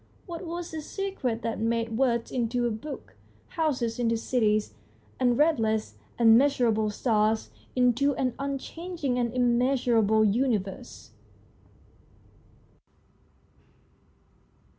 What was this secret that made words into a book, houses into cities, and restless and measurable stars into an unchanging and immeasurable universe